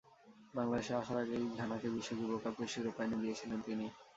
বাংলাদেশে আসার আগেই ঘানাকে বিশ্ব যুব কাপের শিরোপা এনে দিয়েছিলেন তিনি।